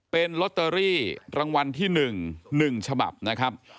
เป็นลอตเตอรี่รางวัลที่๑๑ฉบับนะครับ